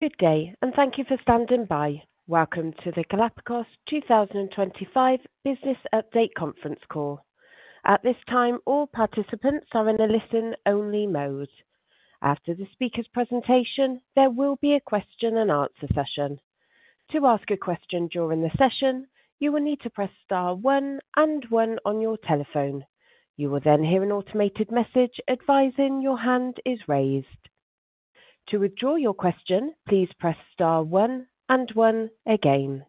Good day, and thank you for standing by. Welcome to the Galapagos 2025 Business Update Conference Call. At this time, all participants are in a listen-only mode. After the speaker's presentation, there will be a question-and-answer session. To ask a question during the session, you will need to press star one and one on your telephone. You will then hear an automated message advising your hand is raised. To withdraw your question, please press star one and one again.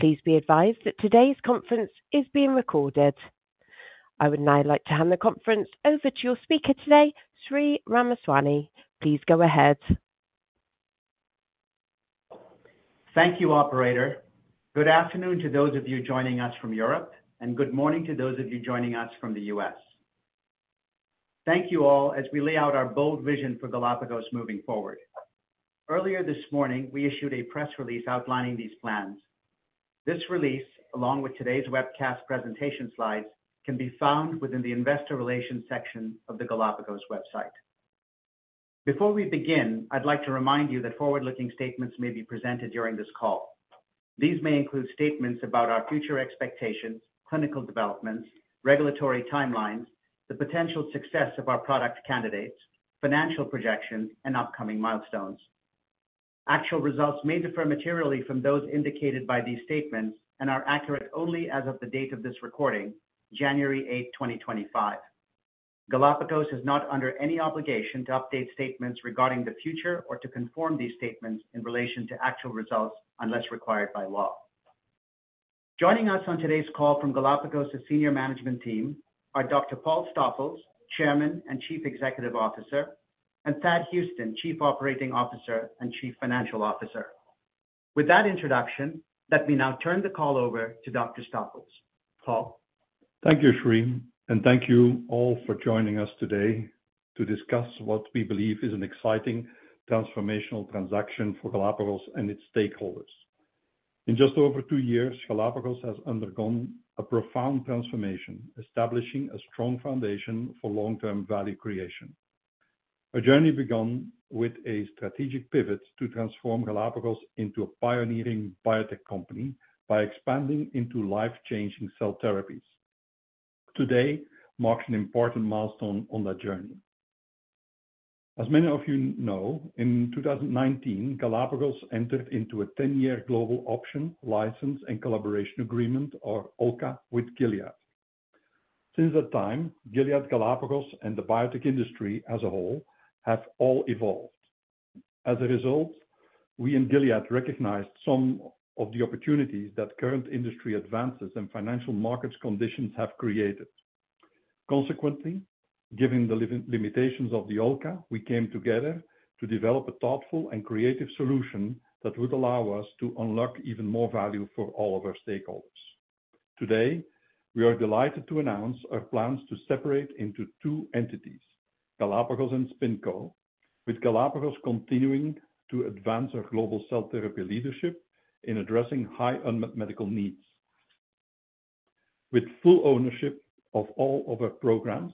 Please be advised that today's conference is being recorded. I would now like to hand the conference over to your speaker today, Sri Ramaswamy. Please go ahead. Thank you, Operator. Good afternoon to those of you joining us from Europe, and good morning to those of you joining us from the U.S. Thank you all as we lay out our bold vision for Galapagos moving forward. Earlier this morning, we issued a press release outlining these plans. This release, along with today's webcast presentation slides, can be found within the Investor Relations section of the Galapagos website. Before we begin, I'd like to remind you that forward-looking statements may be presented during this call. These may include statements about our future expectations, clinical developments, regulatory timelines, the potential success of our product candidates, financial projections, and upcoming milestones. Actual results may differ materially from those indicated by these statements and are accurate only as of the date of this recording, January 8, 2025. Galapagos is not under any obligation to update statements regarding the future or to conform these statements in relation to actual results unless required by law. Joining us on today's call from Galapagos' senior management team are Dr. Paul Stoffels, Chairman and Chief Executive Officer, and Thad Huston, Chief Operating Officer and Chief Financial Officer. With that introduction, let me now turn the call over to Dr. Stoffels. Paul. Thank you, Sri, and thank you all for joining us today to discuss what we believe is an exciting transformational transaction for Galapagos and its stakeholders. In just over two years, Galapagos has undergone a profound transformation, establishing a strong foundation for long-term value creation. Our journey began with a strategic pivot to transform Galapagos into a pioneering biotech company by expanding into life-changing cell therapies. Today, we mark an important milestone on that journey. As many of you know, in 2019, Galapagos entered into a 10-year Global Option License and Collaboration Agreement, or OLCA, with Gilead. Since that time, Gilead, Galapagos, and the biotech industry as a whole have all evolved. As a result, we in Gilead recognized some of the opportunities that current industry advances and financial markets' conditions have created. Consequently, given the limitations of the OLCA, we came together to develop a thoughtful and creative solution that would allow us to unlock even more value for all of our stakeholders. Today, we are delighted to announce our plans to separate into two entities, Galapagos and SpinCo, with Galapagos continuing to advance our global cell therapy leadership in addressing high unmet medical needs, with full ownership of all of our programs,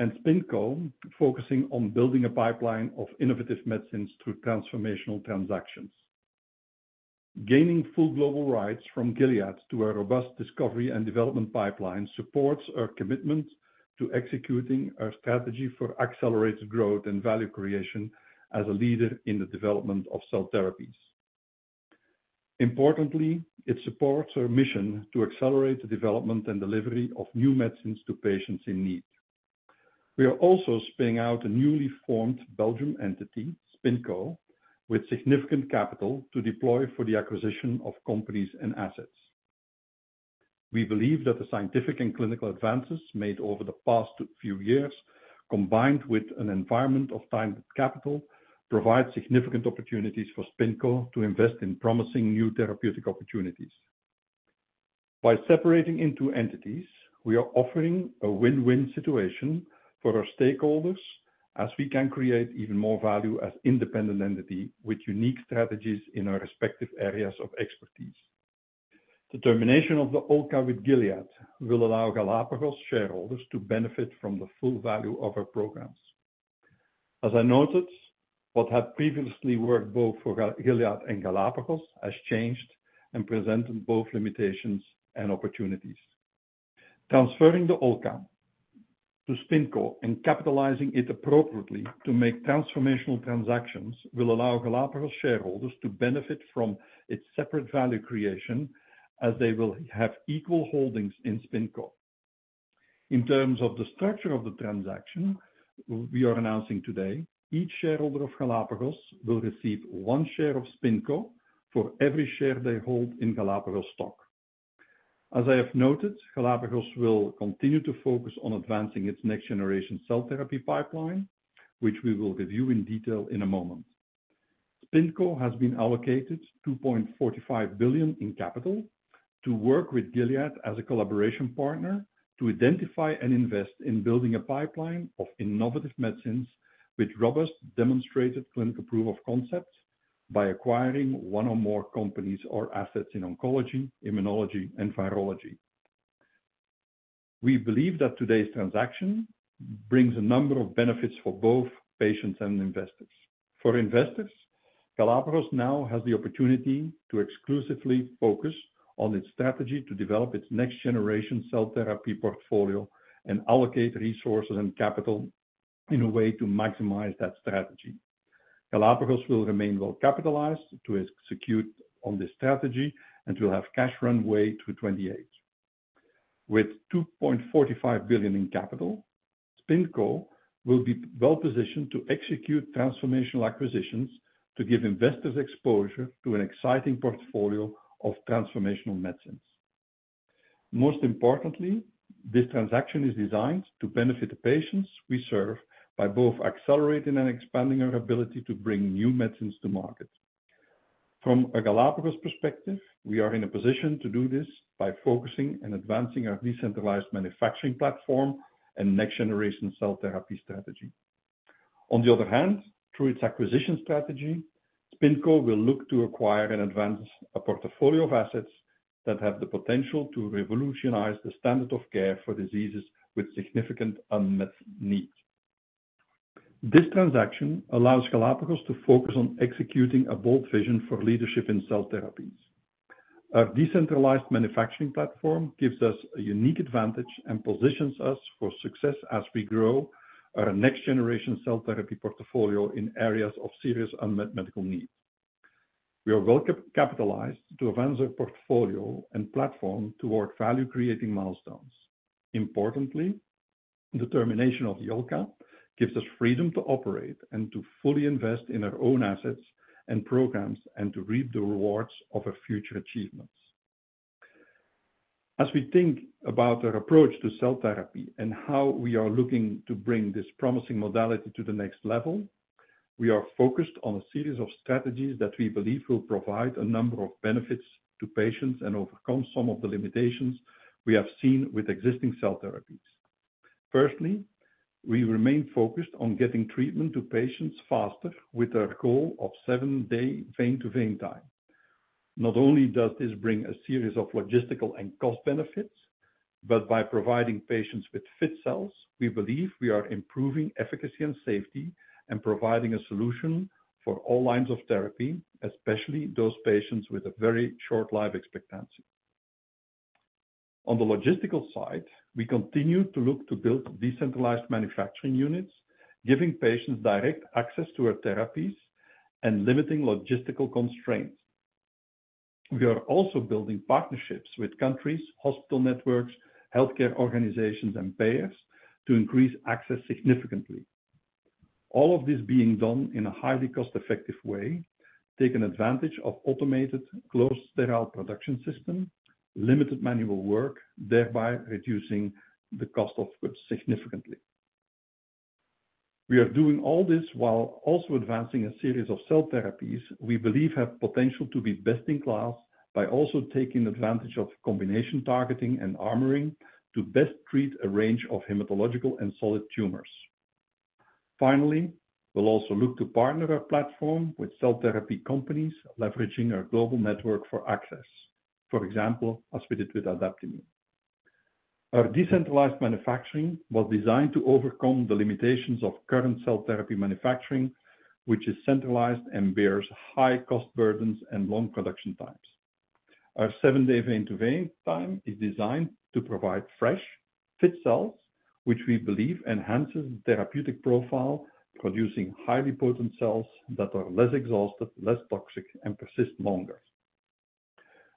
and SpinCo focusing on building a pipeline of innovative medicines through transformational transactions. Gaining full global rights from Gilead to our robust discovery and development pipeline supports our commitment to executing our strategy for accelerated growth and value creation as a leader in the development of cell therapies. Importantly, it supports our mission to accelerate the development and delivery of new medicines to patients in need. We are also spinning out a newly formed Belgian entity, SpinCo, with significant capital to deploy for the acquisition of companies and assets. We believe that the scientific and clinical advances made over the past few years, combined with an environment of time and capital, provide significant opportunities for SpinCo to invest in promising new therapeutic opportunities. By separating into entities, we are offering a win-win situation for our stakeholders as we can create even more value as an independent entity with unique strategies in our respective areas of expertise. The termination of the OLCA with Gilead will allow Galapagos shareholders to benefit from the full value of our programs. As I noted, what had previously worked both for Gilead and Galapagos has changed and presented both limitations and opportunities. Transferring the OLCA to SpinCo and capitalizing it appropriately to make transformational transactions will allow Galapagos shareholders to benefit from its separate value creation as they will have equal holdings in SpinCo. In terms of the structure of the transaction we are announcing today, each shareholder of Galapagos will receive one share of SpinCo for every share they hold in Galapagos stock. As I have noted, Galapagos will continue to focus on advancing its next-generation cell therapy pipeline, which we will review in detail in a moment. SpinCo has been allocated 2.45 billion in capital to work with Gilead as a collaboration partner to identify and invest in building a pipeline of innovative medicines with robust demonstrated clinical proof of concept by acquiring one or more companies or assets in oncology, immunology, and virology. We believe that today's transaction brings a number of benefits for both patients and investors. For investors, Galapagos now has the opportunity to exclusively focus on its strategy to develop its next-generation cell therapy portfolio and allocate resources and capital in a way to maximize that strategy. Galapagos will remain well capitalized to execute on this strategy and will have cash runway to 2028. With 2.45 billion in capital, SpinCo will be well positioned to execute transformational acquisitions to give investors exposure to an exciting portfolio of transformational medicines. Most importantly, this transaction is designed to benefit the patients we serve by both accelerating and expanding our ability to bring new medicines to market. From a Galapagos perspective, we are in a position to do this by focusing and advancing our decentralized manufacturing platform and next-generation cell therapy strategy. On the other hand, through its acquisition strategy, SpinCo will look to acquire and advance a portfolio of assets that have the potential to revolutionize the standard of care for diseases with significant unmet needs. This transaction allows Galapagos to focus on executing a bold vision for leadership in cell therapies. Our decentralized manufacturing platform gives us a unique advantage and positions us for success as we grow our next-generation cell therapy portfolio in areas of serious unmet medical needs. We are well capitalized to advance our portfolio and platform toward value-creating milestones. Importantly, the termination of the OLCA gives us freedom to operate and to fully invest in our own assets and programs and to reap the rewards of our future achievements. As we think about our approach to cell therapy and how we are looking to bring this promising modality to the next level, we are focused on a series of strategies that we believe will provide a number of benefits to patients and overcome some of the limitations we have seen with existing cell therapies. Firstly, we remain focused on getting treatment to patients faster with our goal of seven-day vein-to-vein time. Not only does this bring a series of logistical and cost benefits, but by providing patients with fit cells, we believe we are improving efficacy and safety and providing a solution for all lines of therapy, especially those patients with a very short life expectancy. On the logistical side, we continue to look to build decentralized manufacturing units, giving patients direct access to our therapies and limiting logistical constraints. We are also building partnerships with countries, hospital networks, healthcare organizations, and payers to increase access significantly. All of this being done in a highly cost-effective way, taking advantage of an automated closed sterile production system, limited manual work, thereby reducing the cost of goods significantly. We are doing all this while also advancing a series of cell therapies we believe have potential to be best in class by also taking advantage of combination targeting and armoring to best treat a range of hematological and solid tumors. Finally, we'll also look to partner our platform with cell therapy companies leveraging our global network for access, for example, as we did with Adaptimmune. Our decentralized manufacturing was designed to overcome the limitations of current cell therapy manufacturing, which is centralized and bears high cost burdens and long production times. Our seven-day vein-to-vein time is designed to provide fresh, fit cells, which we believe enhances the therapeutic profile, producing highly potent cells that are less exhausted, less toxic, and persist longer.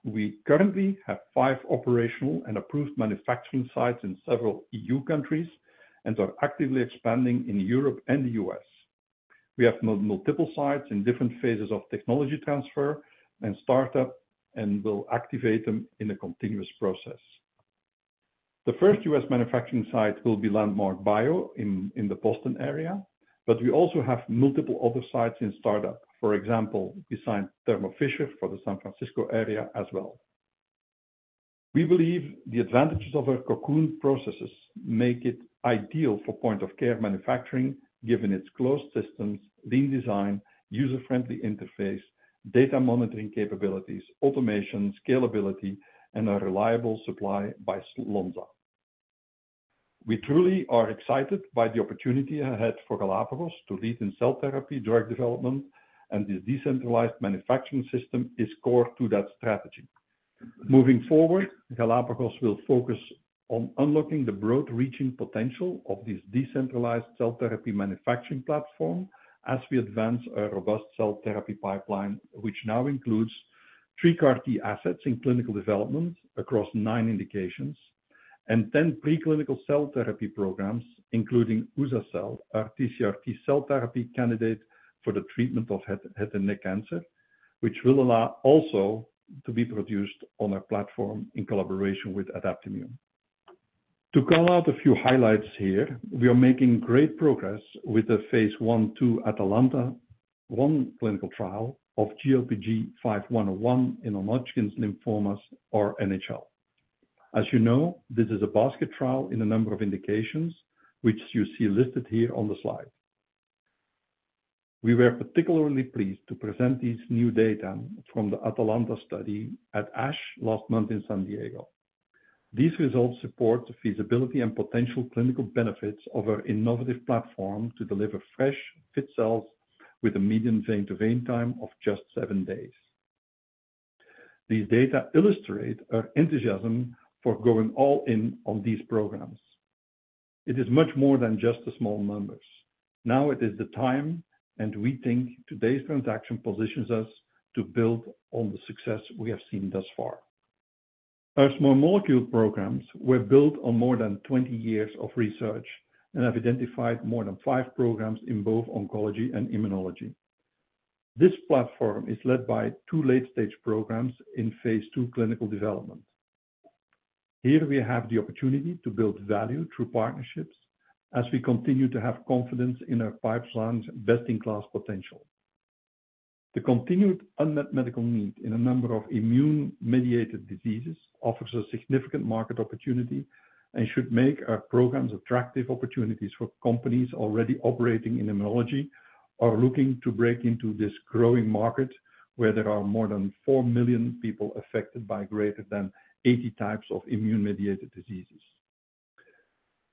We currently have five operational and approved manufacturing sites in several E.U. countries and are actively expanding in Europe and the U.S. We have multiple sites in different phases of technology transfer and startup and will activate them in a continuous process. The first U.S. manufacturing site will be Landmark Bio in the Boston area, but we also have multiple other sites in startup, for example, besides Thermo Fisher for the San Francisco area as well. We believe the advantages of our Cocoon processes make it ideal for point-of-care manufacturing given its closed systems, lean design, user-friendly interface, data monitoring capabilities, automation, scalability, and a reliable supply by Lonza. We truly are excited by the opportunity ahead for Galapagos to lead in cell therapy drug development, and the decentralized manufacturing system is core to that strategy. Moving forward, Galapagos will focus on unlocking the broad-reaching potential of this decentralized cell therapy manufacturing platform as we advance our robust cell therapy pipeline, which now includes three CAR-T assets in clinical development across nine indications and ten preclinical cell therapy programs, including uza-cel, our TCR-T cell therapy candidate for the treatment of head and neck cancer, which will allow also to be produced on our platform in collaboration with Adaptimmune. To call out a few highlights here, we are making great progress with the phase 1/2 Atalanta-1 clinical trial of GLPG-5101 in non-Hodgkin's lymphomas, or NHL. As you know, this is a basket trial in a number of indications, which you see listed here on the slide. We were particularly pleased to present these new data from the Atalanta-1 study at ASH last month in San Diego. These results support the feasibility and potential clinical benefits of our innovative platform to deliver fresh, fit cells with a median vein-to-vein time of just seven days. These data illustrate our enthusiasm for going all in on these programs. It is much more than just the small numbers. Now it is the time, and we think today's transaction positions us to build on the success we have seen thus far. Our small molecule programs were built on more than 20 years of research and have identified more than five programs in both oncology and immunology. This platform is led by two late-stage programs in phase 2 clinical development. Here we have the opportunity to build value through partnerships as we continue to have confidence in our pipeline's best-in-class potential. The continued unmet medical need in a number of immune-mediated diseases offers a significant market opportunity and should make our programs attractive opportunities for companies already operating in immunology or looking to break into this growing market where there are more than four million people affected by greater than 80 types of immune-mediated diseases.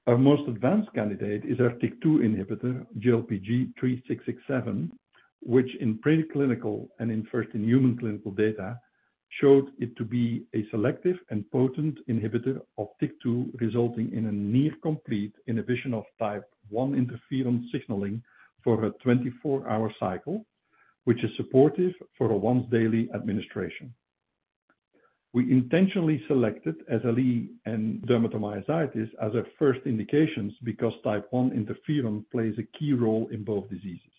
Our most advanced candidate is our TYK2 inhibitor, GLPG-3667, which in preclinical and in first-in-human clinical data showed it to be a selective and potent inhibitor of TYK2, resulting in a near-complete inhibition of type I interferon signaling for a 24-hour cycle, which is supportive for a once-daily administration. We intentionally selected SLE and dermatomyositis as our first indications because type I interferon plays a key role in both diseases.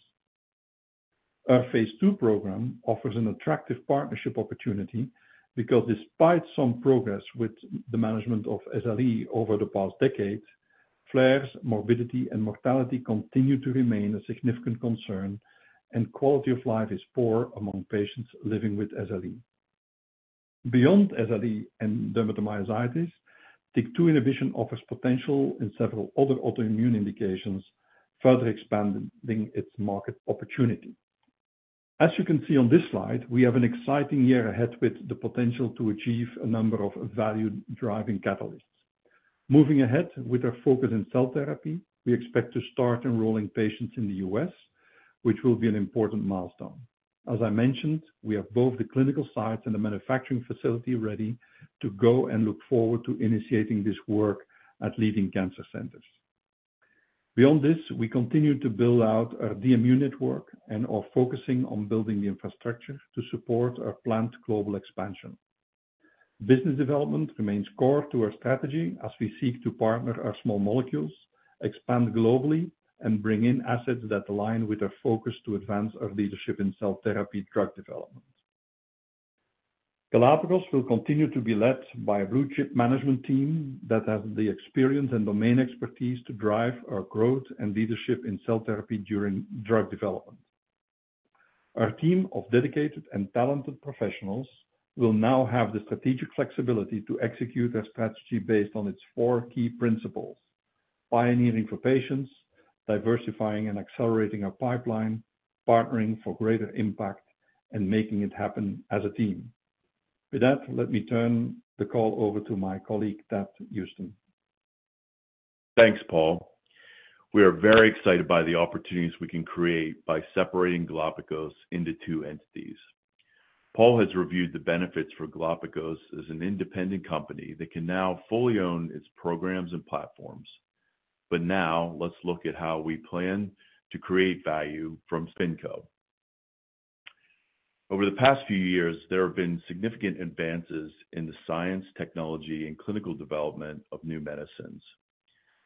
Our phase 2 program offers an attractive partnership opportunity because, despite some progress with the management of SLE over the past decade, flares, morbidity, and mortality continue to remain a significant concern, and quality of life is poor among patients living with SLE. Beyond SLE and dermatomyositis, TYK2 inhibition offers potential in several other autoimmune indications, further expanding its market opportunity. As you can see on this slide, we have an exciting year ahead with the potential to achieve a number of value-driving catalysts. Moving ahead with our focus in cell therapy, we expect to start enrolling patients in the U.S., which will be an important milestone. As I mentioned, we have both the clinical sites and the manufacturing facility ready to go and look forward to initiating this work at leading cancer centers. Beyond this, we continue to build out our DMU network and are focusing on building the infrastructure to support our planned global expansion. Business development remains core to our strategy as we seek to partner our small molecules, expand globally, and bring in assets that align with our focus to advance our leadership in cell therapy drug development. Galapagos will continue to be led by a blue-chip management team that has the experience and domain expertise to drive our growth and leadership in cell therapy during drug development. Our team of dedicated and talented professionals will now have the strategic flexibility to execute our strategy based on its four key principles: pioneering for patients, diversifying and accelerating our pipeline, partnering for greater impact, and making it happen as a team. With that, let me turn the call over to my colleague, Thad Huston. Thanks, Paul. We are very excited by the opportunities we can create by separating Galapagos into two entities. Paul has reviewed the benefits for Galapagos as an independent company that can now fully own its programs and platforms. But now let's look at how we plan to create value from SpinCo. Over the past few years, there have been significant advances in the science, technology, and clinical development of new medicines.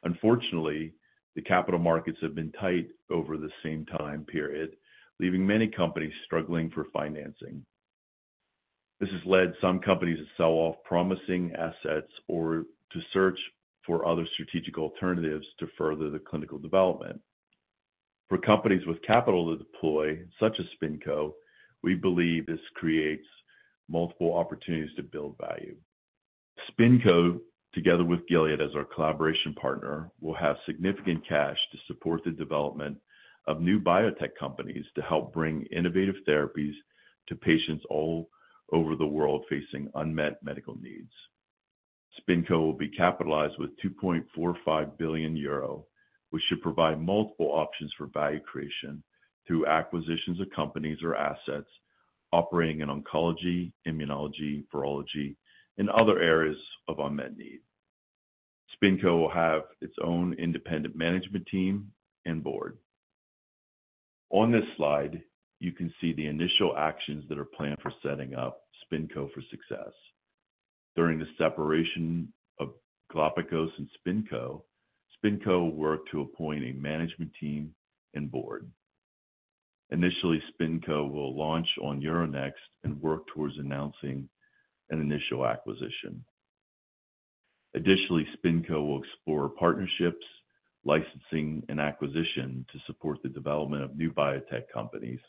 Unfortunately, the capital markets have been tight over the same time period, leaving many companies struggling for financing. This has led some companies to sell off promising assets or to search for other strategic alternatives to further the clinical development. For companies with capital to deploy, such as SpinCo, we believe this creates multiple opportunities to build value. SpinCo, together with Gilead as our collaboration partner, will have significant cash to support the development of new biotech companies to help bring innovative therapies to patients all over the world facing unmet medical needs. SpinCo will be capitalized with 2.45 billion euro, which should provide multiple options for value creation through acquisitions of companies or assets operating in oncology, immunology, virology, and other areas of unmet need. SpinCo will have its own independent management team and board. On this slide, you can see the initial actions that are planned for setting up SpinCo for success. During the separation of Galapagos and SpinCo, SpinCo will work to appoint a management team and board. Initially, SpinCo will launch on Euronext and work towards announcing an initial acquisition. Additionally, SpinCo will explore partnerships, licensing, and acquisition to support the development of new biotech companies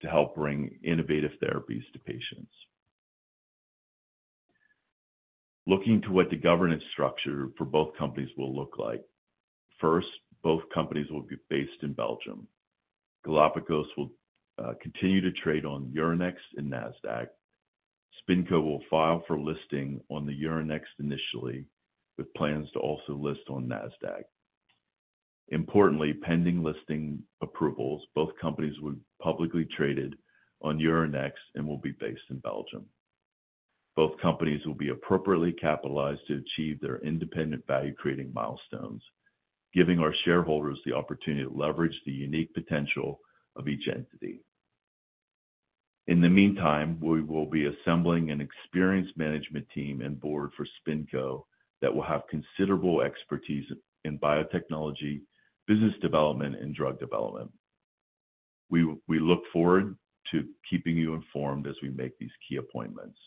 to help bring innovative therapies to patients. Looking to what the governance structure for both companies will look like, first, both companies will be based in Belgium. Galapagos will continue to trade on Euronext and Nasdaq. SpinCo will file for listing on the Euronext initially, with plans to also list on Nasdaq. Importantly, pending listing approvals, both companies will be publicly traded on Euronext and will be based in Belgium. Both companies will be appropriately capitalized to achieve their independent value-creating milestones, giving our shareholders the opportunity to leverage the unique potential of each entity. In the meantime, we will be assembling an experienced management team and board for SpinCo that will have considerable expertise in biotechnology, business development, and drug development. We look forward to keeping you informed as we make these key appointments.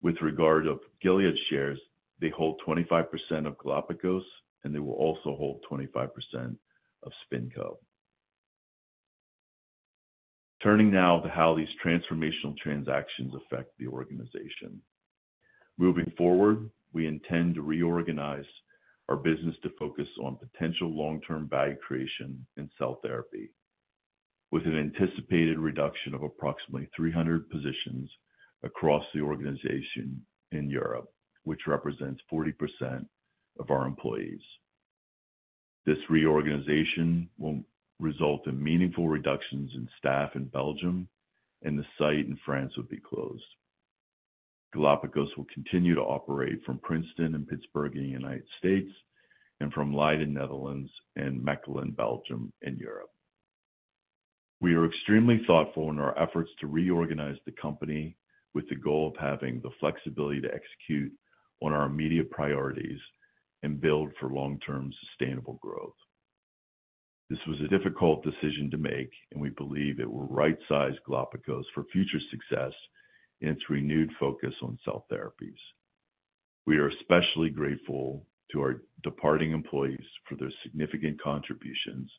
With regard to Gilead's shares, they hold 25% of Galapagos, and they will also hold 25% of SpinCo. Turning now to how these transformational transactions affect the organization. Moving forward, we intend to reorganize our business to focus on potential long-term value creation in cell therapy, with an anticipated reduction of approximately 300 positions across the organization in Europe, which represents 40% of our employees. This reorganization will result in meaningful reductions in staff in Belgium, and the site in France will be closed. Galapagos will continue to operate from Princeton and Pittsburgh in the United States, and from Leiden, Netherlands and Mechelen, Belgium, and Europe. We are extremely thoughtful in our efforts to reorganize the company with the goal of having the flexibility to execute on our immediate priorities and build for long-term sustainable growth. This was a difficult decision to make, and we believe it will right-size Galapagos for future success in its renewed focus on cell therapies. We are especially grateful to our departing employees for their significant contributions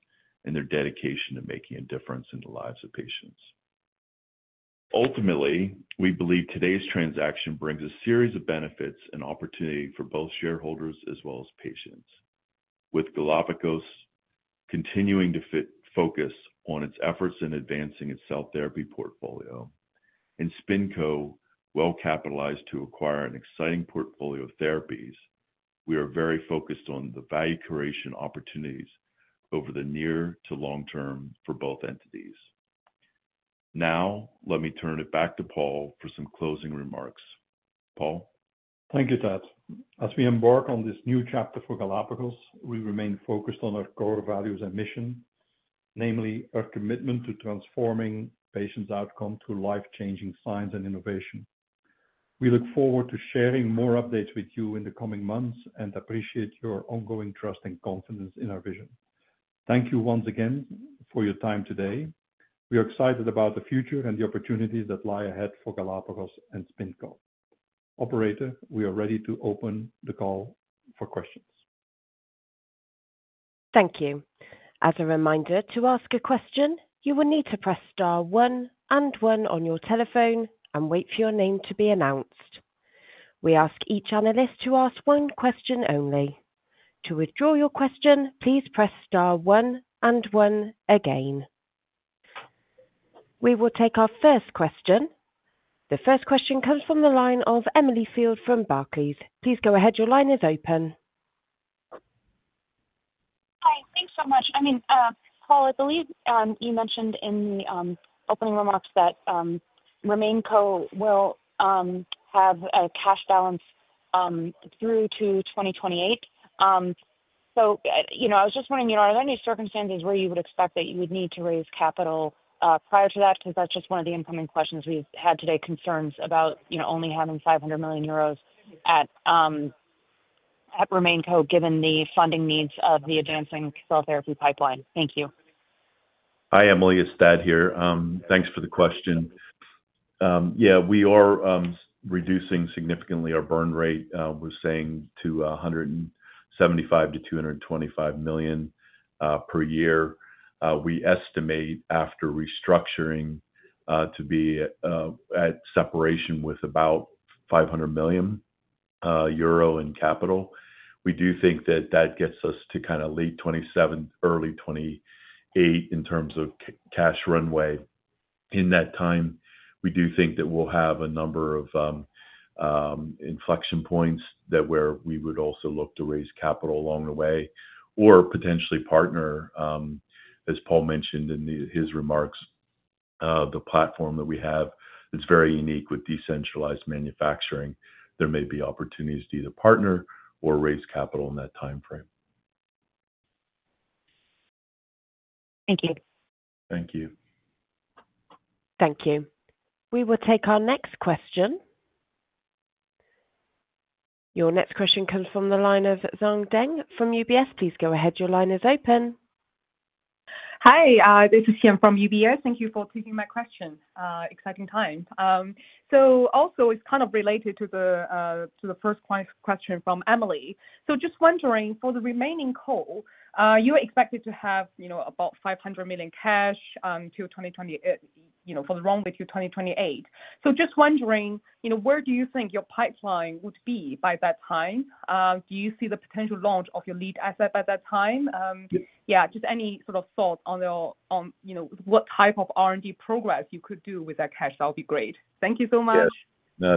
and their dedication to making a difference in the lives of patients. Ultimately, we believe today's transaction brings a series of benefits and opportunities for both shareholders as well as patients. With Galapagos continuing to focus on its efforts in advancing its cell therapy portfolio and SpinCo well capitalized to acquire an exciting portfolio of therapies, we are very focused on the value-creation opportunities over the near to long term for both entities. Now, let me turn it back to Paul for some closing remarks. Paul? Thank you, Thad. As we embark on this new chapter for Galapagos, we remain focused on our core values and mission, namely our commitment to transforming patients' outcome through life-changing science and innovation. We look forward to sharing more updates with you in the coming months and appreciate your ongoing trust and confidence in our vision. Thank you once again for your time today. We are excited about the future and the opportunities that lie ahead for Galapagos and SpinCo. Operator, we are ready to open the call for questions. Thank you. As a reminder, to ask a question, you will need to press star one and one on your telephone and wait for your name to be announced. We ask each analyst to ask one question only. To withdraw your question, please press star one and one again. We will take our first question. The first question comes from the line of Emily Field from Barclays. Please go ahead. Your line is open. Hi. Thanks so much. I mean, Paul, I believe you mentioned in the opening remarks that RemainCo. will have a cash balance through to 2028. So I was just wondering, are there any circumstances where you would expect that you would need to raise capital prior to that? Because that's just one of the incoming questions we've had today, concerns about only having €500 million at RemainCo given the funding needs of the advancing cell therapy pipeline. Thank you. Hi, Emily. It's Thad here. Thanks for the question. Yeah, we are reducing significantly our burn rate. We're saying 175-225 million per year. We estimate, after restructuring, to be at separation with about €500 million in capital. We do think that that gets us to kind of late 2027, early 2028 in terms of cash runway. In that time, we do think that we'll have a number of inflection points where we would also look to raise capital along the way or potentially partner, as Paul mentioned in his remarks, the platform that we have that's very unique with decentralized manufacturing. There may be opportunities to either partner or raise capital in that time frame. Thank you. Thank you. Thank you. We will take our next question. Your next question comes from the line of Xian Deng from UBS. Please go ahead. Your line is open. Hi. This is Xian from UBS. Thank you for taking my question. Exciting time. So also, it's kind of related to the first question from Emily. So just wondering, for the RemainCo, you're expected to have about €500 million cash for the runway to 2028. So just wondering, where do you think your pipeline would be by that time? Do you see the potential launch of your lead asset by that time? Yeah, just any sort of thought on what type of R&D progress you could do with that cash, that would be great. Thank you so much.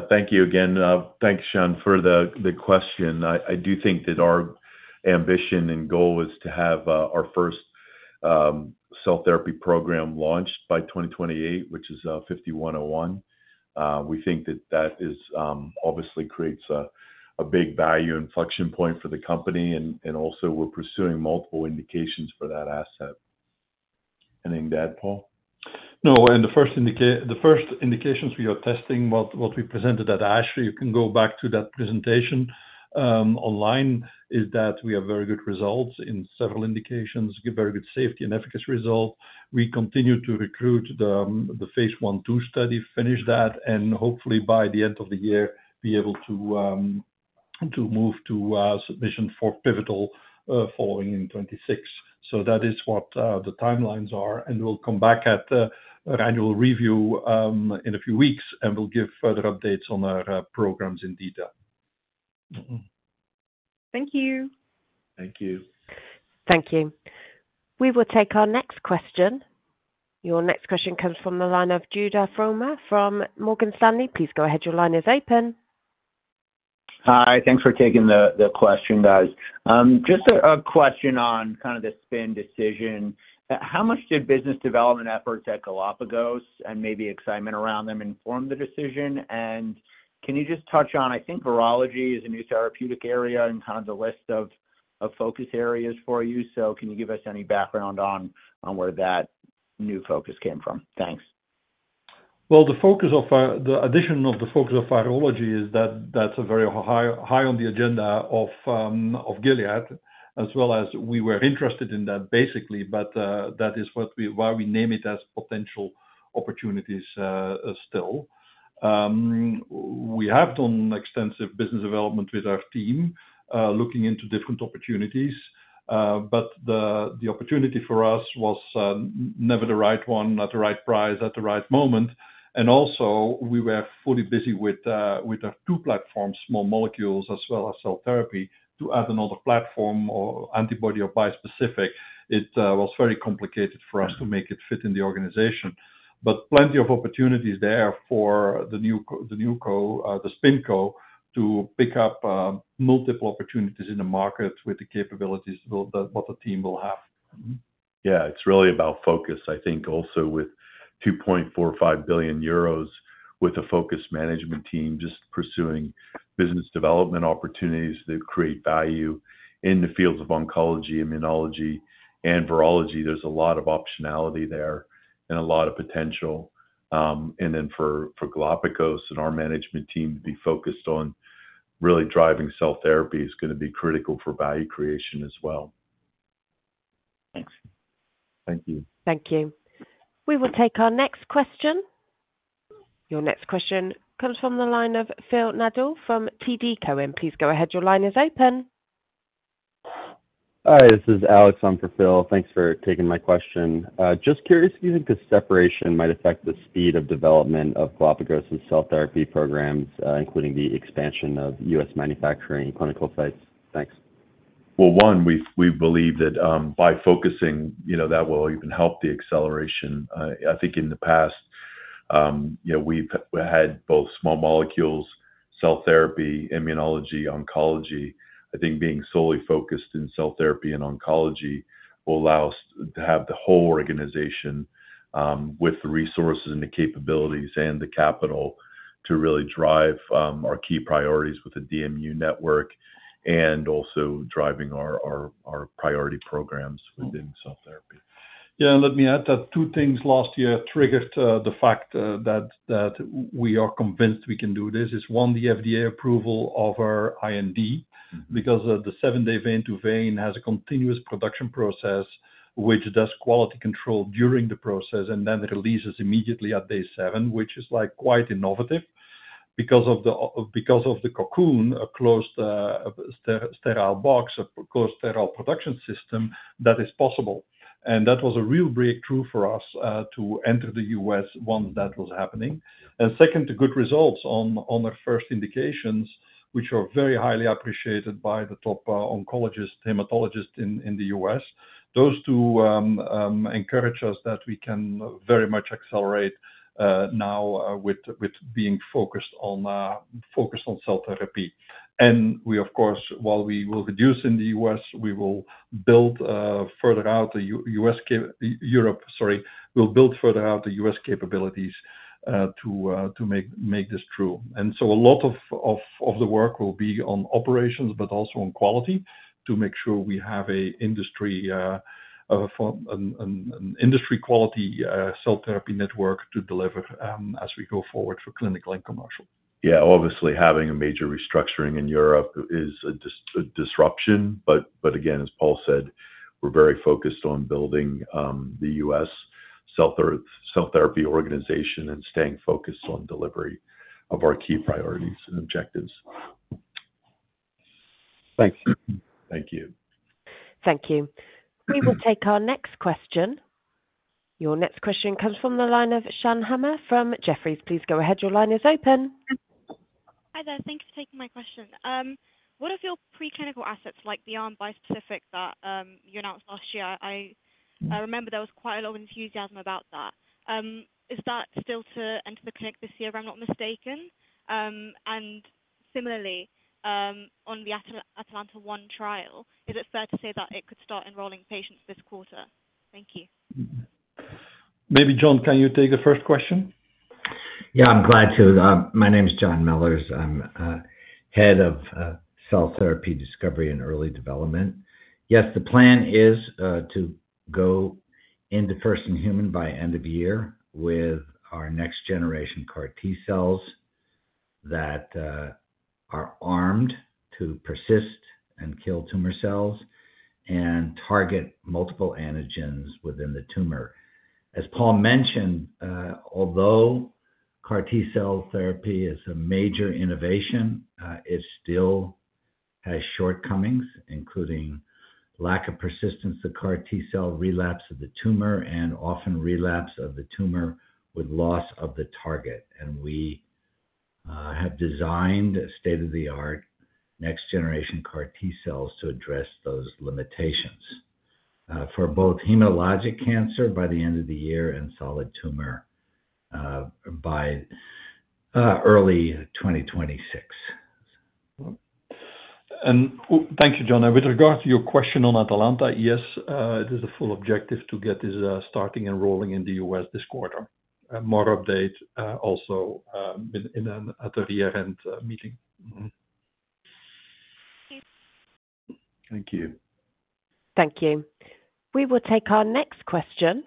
Thank you again. Thanks, Shawn, for the question. I do think that our ambition and goal is to have our first cell therapy program launched by 2028, which is 5101. We think that that obviously creates a big value inflection point for the company. And also, we're pursuing multiple indications for that asset. Anything to add, Paul? No. And the first indications we are testing, what we presented at ASH, you can go back to that presentation online, is that we have very good results in several indications, very good safety and efficacy results. We continue to recruit the phase one two study, finish that, and hopefully by the end of the year, be able to move to submission for pivotal following in 2026. So that is what the timelines are. And we'll come back at our annual review in a few weeks and will give further updates on our programs in detail. Thank you. Thank you. Thank you. We will take our next question. Your next question comes from the line of Judah Frommer from Morgan Stanley. Please go ahead. Your line is open. Hi. Thanks for taking the question, guys. Just a question on kind of the spin decision. How much did business development efforts at Galapagos and maybe excitement around them inform the decision? And can you just touch on, I think, virology is a new therapeutic area and kind of the list of focus areas for you? Can you give us any background on where that new focus came from? Thanks. The addition of the focus of virology is that that's very high on the agenda of Gilead, as well as we were interested in that basically, but that is why we name it as potential opportunities still. We have done extensive business development with our team looking into different opportunities, but the opportunity for us was never the right one at the right price at the right moment. We were fully busy with our two platforms, small molecules as well as cell therapy. To add another platform or antibody or bispecific, it was very complicated for us to make it fit in the organization. Plenty of opportunities there for the NewCo, the SpinCo, to pick up multiple opportunities in the market with the capabilities that the team will have. Yeah. It's really about focus, I think, also with €2.45 billion with a focus management team just pursuing business development opportunities that create value in the fields of oncology, immunology, and virology. There's a lot of optionality there and a lot of potential, and then for Galapagos and our management team to be focused on really driving cell therapy is going to be critical for value creation as well. Thanks. Thank you. Thank you. We will take our next question. Your next question comes from the line of Phil Nadeau from TD Cowen, and please go ahead. Your line is open. Hi. This is Alex. I'm for Phil. Thanks for taking my question. Just curious if you think the separation might affect the speed of development of Galapagos' cell therapy programs, including the expansion of US manufacturing and clinical sites. Thanks. One, we believe that by focusing, that will even help the acceleration. I think in the past, we've had both small molecules, cell therapy, immunology, oncology. I think being solely focused in cell therapy and oncology will allow us to have the whole organization with the resources and the capabilities and the capital to really drive our key priorities with the DMU network and also driving our priority programs within cell therapy. Yeah. Let me add that two things last year triggered the fact that we are convinced we can do this. It's one, the FDA approval of our IND because the seven-day vein-to-vein has a continuous production process, which does quality control during the process and then releases immediately at day seven, which is quite innovative because of the Cocoon, a closed sterile box, a closed sterile production system that is possible. That was a real breakthrough for us to enter the U.S. once that was happening. Second, the good results on our first indications, which are very highly appreciated by the top oncologists, hematologists in the U.S. Those two encourage us that we can very much accelerate now with being focused on cell therapy. And we, of course, while we will reduce in the U.S., we will build further out the U.S. Europe, sorry, we'll build further out the U.S. capabilities to make this true. And so a lot of the work will be on operations, but also on quality to make sure we have an industry quality cell therapy network to deliver as we go forward for clinical and commercial. Yeah. Obviously, having a major restructuring in Europe is a disruption. But again, as Paul said, we're very focused on building the US cell therapy organization and staying focused on delivery of our key priorities and objectives. Thanks. Thank you. Thank you. We will take our next question. Your next question comes from the line of Shan He from Jefferies. Please go ahead. Your line is open. Hi there. Thank you for taking my question. What about your preclinical assets like the armed bispecific that you announced last year? I remember there was quite a lot of enthusiasm about that. Is that still to enter the clinic this year, if I'm not mistaken? And similarly, on the Atalanta-1 trial, is it fair to say that it could start enrolling patients this quarter? Thank you. Maybe John, can you take the first question? Yeah. I'm glad to. My name is John Mellors. I'm Head of Cell Therapy Discovery and Early Development. Yes, the plan is to go into first-in-human by end of year with our next-generation CAR T-cells that are armed to persist and kill tumor cells and target multiple antigens within the tumor. As Paul mentioned, although CAR T-cell therapy is a major innovation, it still has shortcomings, including lack of persistence of CAR T-cell relapse of the tumor and often relapse of the tumor with loss of the target. And we have designed state-of-the-art next-generation CAR T-cells to address those limitations for both hematologic cancer by the end of the year and solid tumor by early 2026. And thank you, John. And with regard to your question on Atalanta-1, yes, it is a full objective to get this starting enrolling in the US this quarter. More updates also at the year-end meeting. Thank you. Thank you. We will take our next question.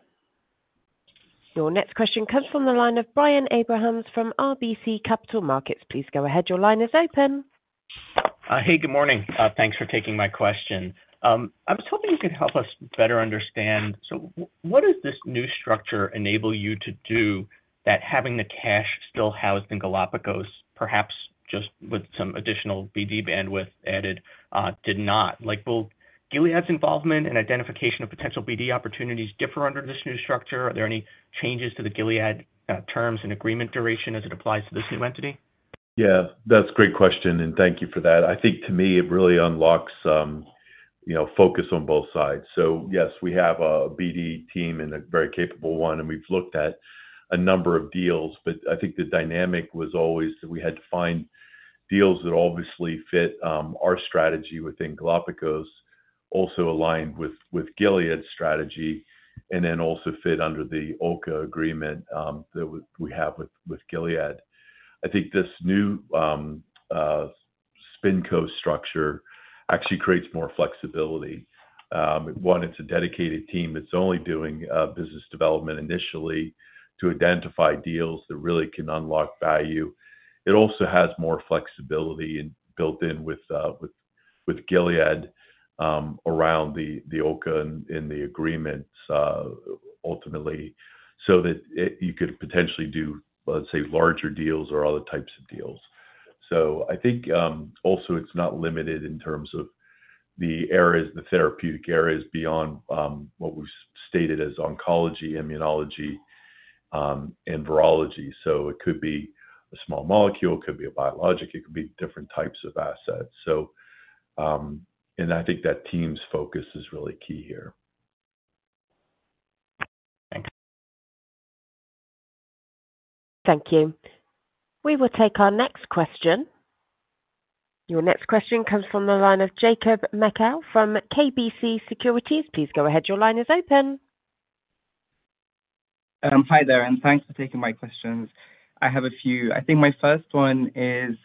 Your next question comes from the line of Brian Abrahams from RBC Capital Markets. Please go ahead. Your line is open. Hey, good morning. Thanks for taking my question. I was hoping you could help us better understand. So what does this new structure enable you to do that having the cash still housed in Galapagos, perhaps just with some additional BD bandwidth added, did not? Will Gilead's involvement and identification of potential BD opportunities differ under this new structure? Are there any changes to the Gilead terms and agreement duration as it applies to this new entity? Yeah. That's a great question. And thank you for that. I think to me, it really unlocks focus on both sides. So yes, we have a BD team and a very capable one. And we've looked at a number of deals. But I think the dynamic was always that we had to find deals that obviously fit our strategy within Galapagos, also aligned with Gilead's strategy, and then also fit under the OLCA agreement that we have with Gilead. I think this new SpinCo structure actually creates more flexibility. One, it's a dedicated team. It's only doing business development initially to identify deals that really can unlock value. It also has more flexibility built in with Gilead around the OLCA and the agreements ultimately so that you could potentially do, let's say, larger deals or other types of deals. So I think also it's not limited in terms of the therapeutic areas beyond what we've stated as oncology, immunology, and virology. So it could be a small molecule. It could be a biologic. It could be different types of assets. And I think that team's focus is really key here. Thanks. Thank you. We will take our next question. Your next question comes from the line of Jacob Mekhael from KBC Securities. Please go ahead. Your line is open. Hi there. And thanks for taking my questions. I have a few. I think my first one is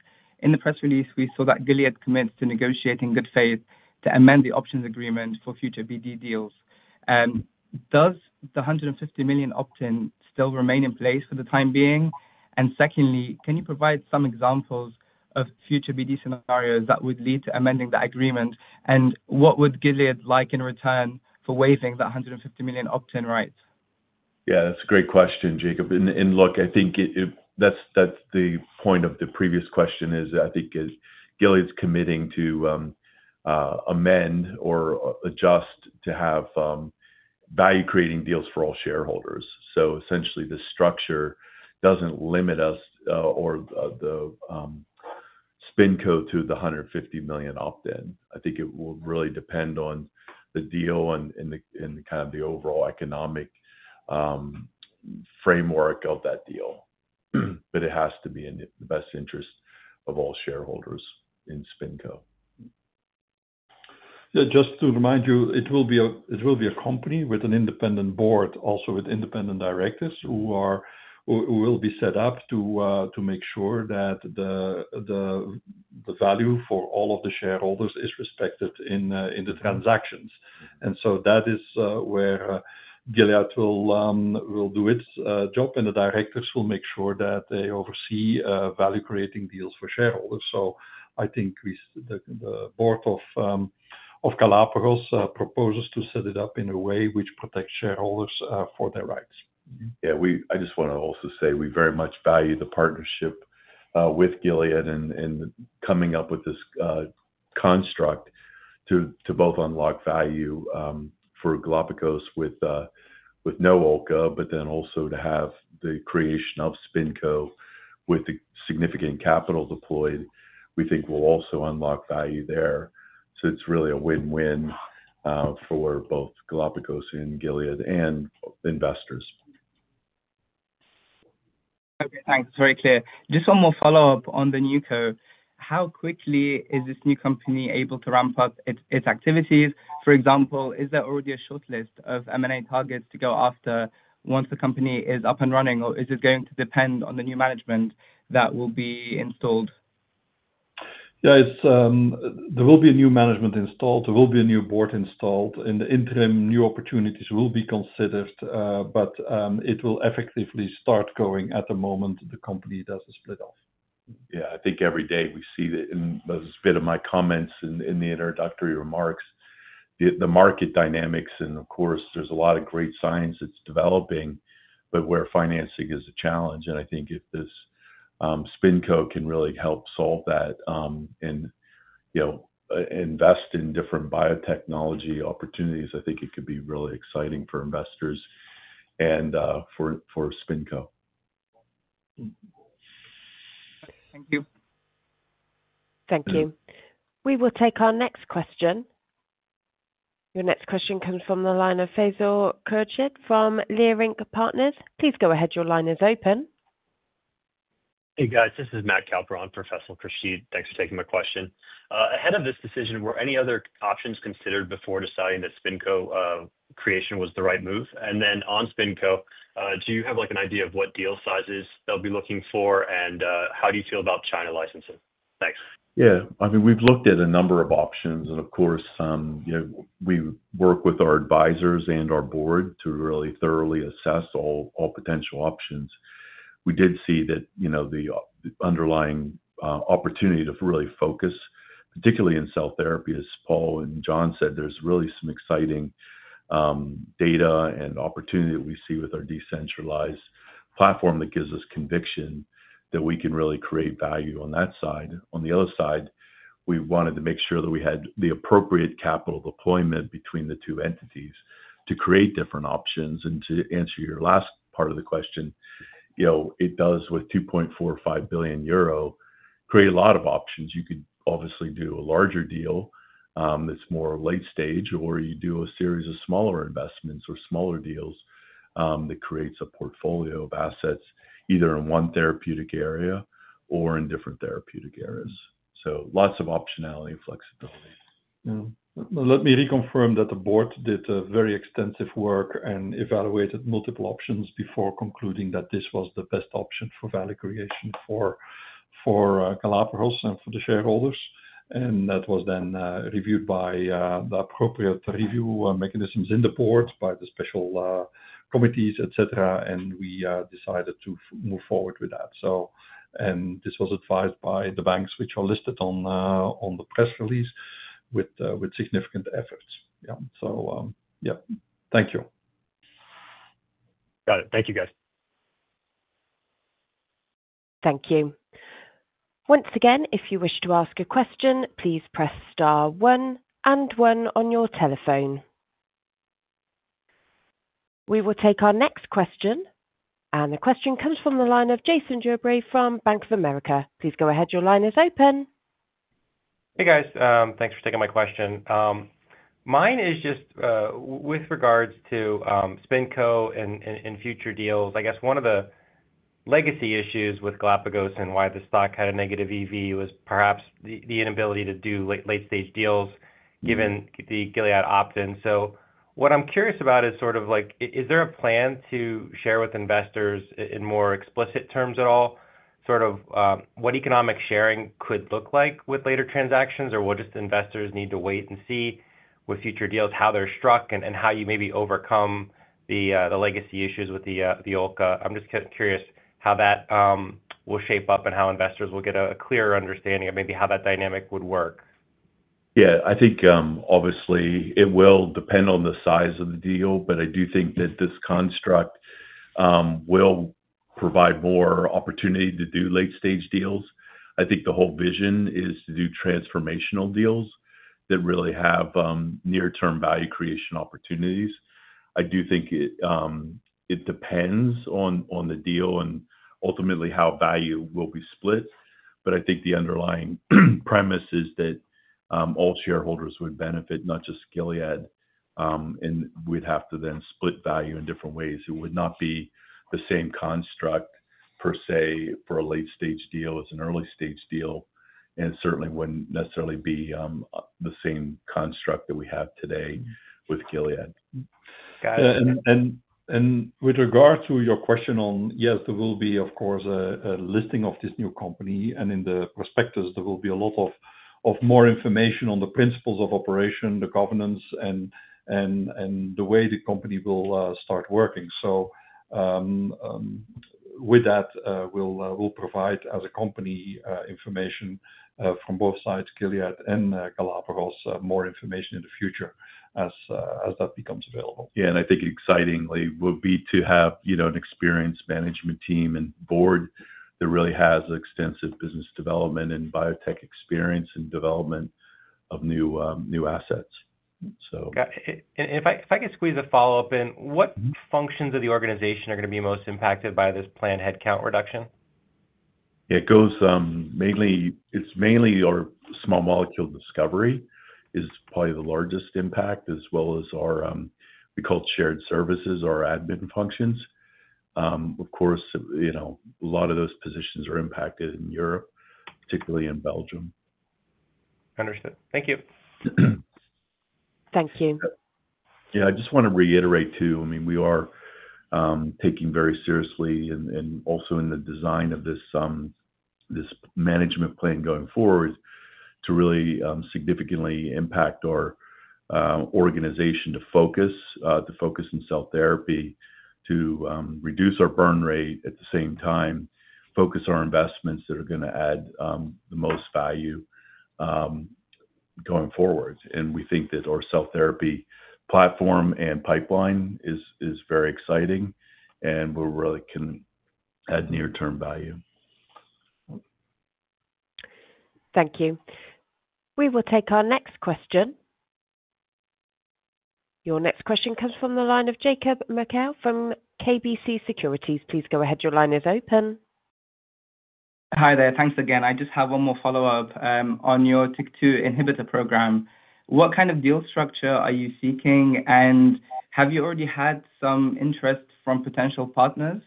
in the press release, we saw that Gilead commits to negotiate in good faith to amend the options agreement for future BD deals. Does the €150 million opt-in still remain in place for the time being? And secondly, can you provide some examples of future BD scenarios that would lead to amending the agreement? And what would Gilead like in return for waiving that €150 million opt-in right? Yeah. That's a great question, Jacob. And look, I think that's the point of the previous question is I think Gilead's committing to amend or adjust to have value-creating deals for all shareholders. So essentially, the structure doesn't limit us or the SpinCo to the 150 million opt-in. I think it will really depend on the deal and kind of the overall economic framework of that deal. But it has to be in the best interest of all shareholders in SpinCo. Yeah. Just to remind you, it will be a company with an independent board, also with independent directors who will be set up to make sure that the value for all of the shareholders is respected in the transactions. And so that is where Gilead will do its job. And the directors will make sure that they oversee value-creating deals for shareholders. So I think the board of Galapagos proposes to set it up in a way which protects shareholders for their rights. Yeah. I just want to also say we very much value the partnership with Gilead and coming up with this construct to both unlock value for Galapagos with no OLCA, but then also to have the creation of SpinCo with significant capital deployed. We think we'll also unlock value there. So it's really a win-win for both Galapagos and Gilead and investors. Okay. Thanks. Very clear. Just one more follow-up on the NewCo. How quickly is this new company able to ramp up its activities? For example, is there already a shortlist of M&A targets to go after once the company is up and running, or is it going to depend on the new management that will be installed? Yeah. There will be a new management installed. There will be a new board installed. In the interim, new opportunities will be considered. But it will effectively start going at the moment the company does the split off. Yeah. I think every day we see it in a bit of my comments in the introductory remarks, the market dynamics. And of course, there's a lot of great science that's developing, but where financing is a challenge. And I think if this SpinCo can really help solve that and invest in different biotechnology opportunities, I think it could be really exciting for investors and for SpinCo. Thank you. Thank you. We will take our next question. Your next question comes from the line of Faisal Khurshid from Leerink Partners. Please go ahead. Your line is open. Hey, guys. This is Matt Kalpern for Faisal Khurshid. Thanks for taking my question. Ahead of this decision, were any other options considered before deciding that SpinCo creation was the right move? And then on SpinCo, do you have an idea of what deal sizes they'll be looking for? And how do you feel about China licensing? Thanks. Yeah. I mean, we've looked at a number of options. And of course, we work with our advisors and our board to really thoroughly assess all potential options. We did see that the underlying opportunity to really focus, particularly in cell therapy, as Paul and John said. There's really some exciting data and opportunity that we see with our decentralized platform that gives us conviction that we can really create value on that side. On the other side, we wanted to make sure that we had the appropriate capital deployment between the two entities to create different options. And to answer your last part of the question, it does, with 2.45 billion euro, create a lot of options. You could obviously do a larger deal that's more late stage, or you do a series of smaller investments or smaller deals that creates a portfolio of assets either in one therapeutic area or in different therapeutic areas. So lots of optionality and flexibility. Let me reconfirm that the board did very extensive work and evaluated multiple options before concluding that this was the best option for value creation for Galapagos and for the shareholders. And that was then reviewed by the appropriate review mechanisms in the board, by the special committees, etc. And we decided to move forward with that. And this was advised by the banks, which are listed on the press release, with significant efforts. Yeah. So yeah. Thank you. Got it. Thank you, guys. Thank you. Once again, if you wish to ask a question, please press star one and one on your telephone. We will take our next question, and the question comes from the line of Jason Gerberry from Bank of America. Please go ahead. Your line is open. Hey, guys. Thanks for taking my question. Mine is just with regards to SpinCo and future deals. I guess one of the legacy issues with Galapagos and why the stock had a negative EV was perhaps the inability to do late-stage deals given the Gilead opt-in. So what I'm curious about is sort of is there a plan to share with investors in more explicit terms at all sort of what economic sharing could look like with later transactions, or will just investors need to wait and see with future deals how they're struck and how you maybe overcome the legacy issues with the OLCA? I'm just curious how that will shape up and how investors will get a clearer understanding of maybe how that dynamic would work. Yeah. I think obviously it will depend on the size of the deal, but I do think that this construct will provide more opportunity to do late-stage deals. I think the whole vision is to do transformational deals that really have near-term value creation opportunities. I do think it depends on the deal and ultimately how value will be split, but I think the underlying premise is that all shareholders would benefit, not just Gilead, and we'd have to then split value in different ways. It would not be the same construct per se for a late-stage deal as an early-stage deal, and it certainly wouldn't necessarily be the same construct that we have today with Gilead. Got it. With regard to your question, yes, there will be, of course, a listing of this new company. In the prospectus, there will be a lot more information on the principles of operation, the governance, and the way the company will start working. So with that, we'll provide as a company information from both sides, Gilead and Galapagos, more information in the future as that becomes available. Yeah. I think excitingly would be to have an experienced management team and board that really has extensive business development and biotech experience and development of new assets. So. If I could squeeze a follow-up in, what functions of the organization are going to be most impacted by this planned headcount reduction? It's mainly our small molecule discovery is probably the largest impact, as well as our we call it shared services, our admin functions. Of course, a lot of those positions are impacted in Europe, particularly in Belgium. Understood. Thank you. Thank you. Yeah. I just want to reiterate too, I mean, we are taking very seriously and also in the design of this management plan going forward to really significantly impact our organization to focus in cell therapy to reduce our burn rate at the same time, focus our investments that are going to add the most value going forward. And we think that our cell therapy platform and pipeline is very exciting, and we really can add near-term value. Thank you. We will take our next question. Your next question comes from the line of Jacob Mekhael from KBC Securities. Please go ahead. Your line is open. Hi there. Thanks again. I just have one more follow-up on your TYK2 inhibitor program. What kind of deal structure are you seeking, and have you already had some interest from potential partners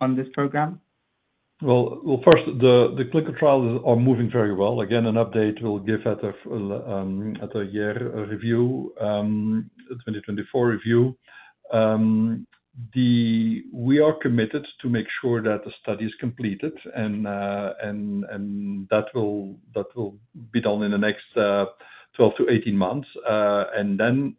on this program? Well, first, the clinical trials are moving very well. Again, an update we'll give at a year review, 2024 review. We are committed to make sure that the study is completed, and that will be done in the next 12 to 18 months. And then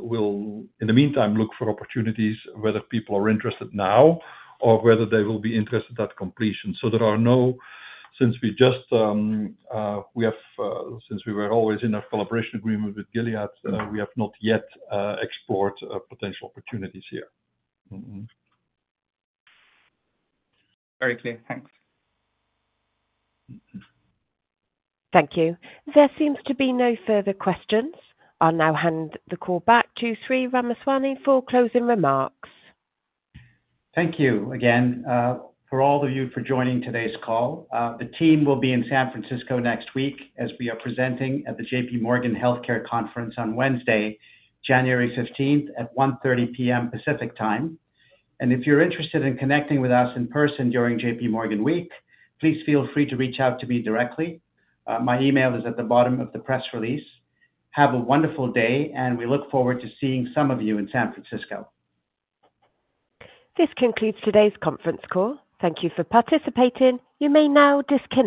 we'll, in the meantime, look for opportunities, whether people are interested now or whether they will be interested at completion. So there are none since we just have, since we were always in a collaboration agreement with Gilead, we have not yet explored potential opportunities here. Very clear. Thanks. Thank you. There seems to be no further questions. I'll now hand the call back to Sri Ramaswamy for closing remarks. Thank you again for all of you for joining today's call. The team will be in San Francisco next week as we are presenting at the JPMorgan Healthcare Conference on Wednesday, January 15th at 1:30 P.M. Pacific time, and if you're interested in connecting with us in person during JPMorgan Week, please feel free to reach out to me directly. My email is at the bottom of the press release. Have a wonderful day, and we look forward to seeing some of you in San Francisco. This concludes today's conference call. Thank you for participating. You may now disconnect.